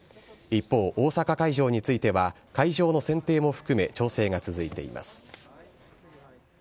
一方、大阪会場については、会場の選定も含め調整が続いています。